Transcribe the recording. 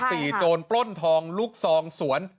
โจรปล้นทองลูกซองสวน